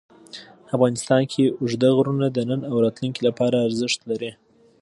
افغانستان کې اوږده غرونه د نن او راتلونکي لپاره ارزښت لري.